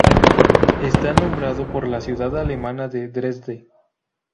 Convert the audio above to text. Está nombrado por la ciudad alemana de Dresde.